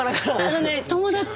あのね友達。